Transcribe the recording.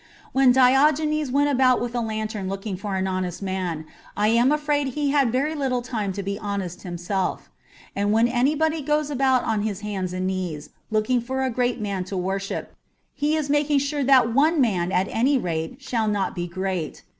When Diogenes went about with a lantern looking for an honest man, I am afraid he had very little time to be honest himself. And when anybody goes about on his hands and knees looking for a great man to worship, he is making sure that one man at any rate shall not be great.